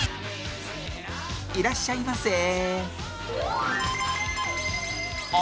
いらっしゃいませー！